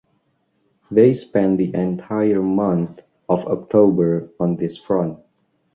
They spent the entire month of October on this front.